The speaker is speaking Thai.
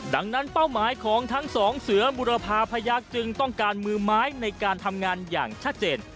ดังนั้นเป้าหมายของทั้งสองเสือบุรพาพยักษ์จึงต้องการมือไม้ในการทำงานอย่างชัดเจน